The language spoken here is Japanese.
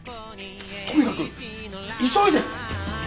とにかく急いでね。